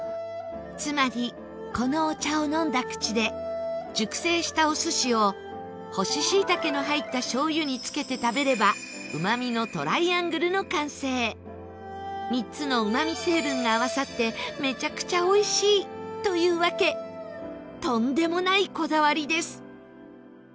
つまり、このお茶を飲んだ口で熟成したお寿司を干し椎茸の入ったしょう油につけて食べればうま味のトライアングルの完成３つのうま味成分が合わさってめちゃくちゃおいしい！というわけとんでもないこだわりです